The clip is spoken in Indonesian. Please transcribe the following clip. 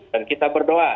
dan kita berdoa